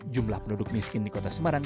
jumlah penduduk miskin di kota semarang